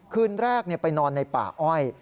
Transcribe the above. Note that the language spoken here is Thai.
คืนแรกไปนอนในป่าอ้อย